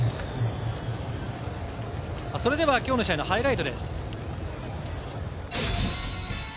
それではきょうの試合のハイライトです。